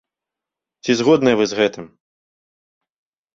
Ці згодныя вы з гэтым?